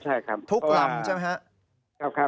ทุกรำใช่มั้ยฮะ